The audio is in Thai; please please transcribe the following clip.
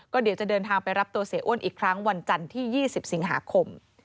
เดี๋ยวจะเดินทางไปรับตัวเสียอ้วนอีกครั้งวันจันทร์ที่๒๐สิงหาคม